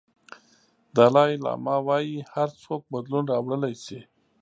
دالای لاما وایي هر څوک بدلون راوړلی شي.